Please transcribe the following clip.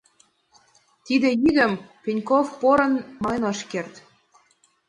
Тиде йӱдым Пеньков порын мален ыш керт.